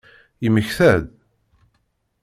Yemmekta-d?